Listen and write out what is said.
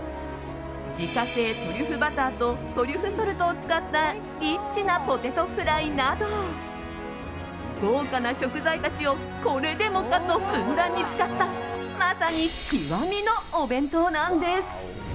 自家製トリュフバターとトリュフソルトを使ったリッチなポテトフライなど豪華な食材たちをこれでもかとふんだんに使ったまさに極みのお弁当なんです。